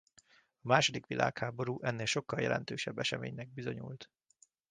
A második világháború ennél sokkal jelentősebb eseménynek bizonyult.